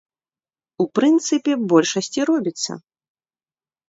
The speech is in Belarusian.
У прынцыпе, большасць і робіцца.